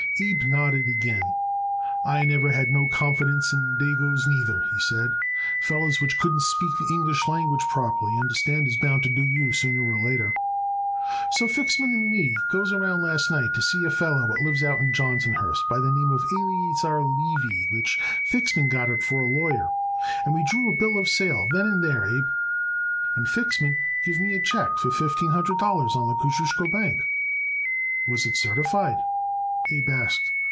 Abe nodded again. "I never had no confidence in dagoes neither," he said. "Fellers which couldn't speak the English language properly, y'understand, is bound to do you sooner or later." "So Fixman and me goes around last night to see a feller what lives out in Johnsonhurst by the name Eleazer Levy which Fixman got it for a lawyer, and we drew a bill of sale then and there, Abe, and Fixman give me a check for fifteen hundred dollars on the Kosciusko Bank." "Was it certified?" Abe asked.